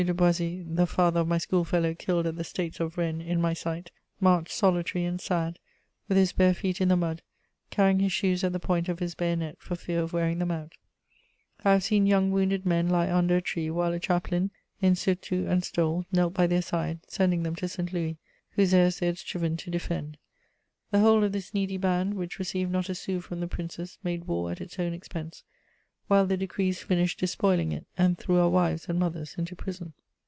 de Boishue, the father of my schoolfellow killed at the States of Rennes in my sight, march solitary and sad, with his bare feet in the mud, carrying his shoes at the point of his bayonet for fear of wearing them out; I have seen young wounded men lie under a tree, while a chaplain, in surtout and stole, knelt by their side, sending them to St. Louis, whose heirs they had striven to defend. The whole of this needy band, which received not a sou from the Princes, made war at its own expense, while the decrees finished despoiling it and threw our wives and mothers into prison.